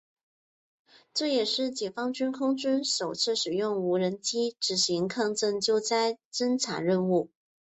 这也是解放军空军首次使用无人机执行抗震救灾侦察任务。